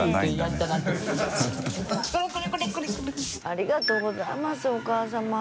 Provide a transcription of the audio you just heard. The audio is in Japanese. ありがとうございますお母さま。